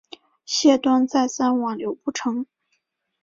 谢端再三挽留不成。